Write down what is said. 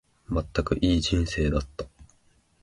まったく、いい人生だった。